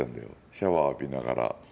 シャワー浴びながら。